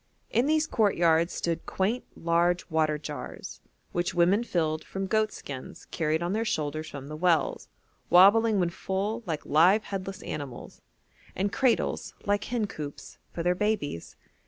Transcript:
In these courtyards stood quaint, large water jars, which women filled from goat skins carried on their shoulders from the wells, wobbling when full like live headless animals; and cradles, like hencoops, for their babies.